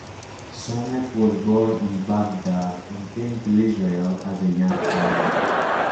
Someck was born in Baghdad and came to Israel as a young child.